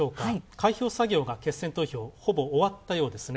開票作業が決選投票、ほぼ終わったようですね。